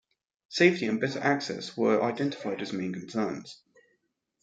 Safety and better access were identified as main concerns.